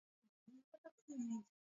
lakini ndani ya msitu huo kuna maajabu